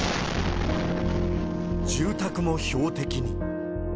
住宅も標的に。